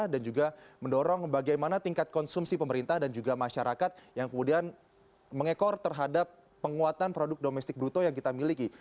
dan juga mendorong bagaimana tingkat konsumsi pemerintah dan juga masyarakat yang kemudian mengekor terhadap penguatan produk domestik bruto yang kita miliki